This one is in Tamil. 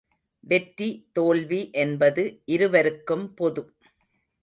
வெற்றி தோல்வி என்பது இருவருக்கும் பொது.